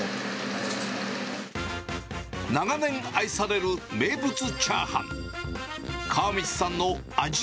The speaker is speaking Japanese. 長年愛される名物チャーハン。